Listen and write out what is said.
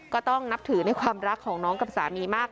ก็ต้องนับถือในความรักของน้องกับสามีมาก